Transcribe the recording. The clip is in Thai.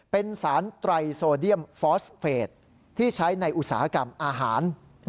เป็นสารไตรโซเดียมฟอสเฟสที่ใช้ในอุตสาหกรรมอาหาร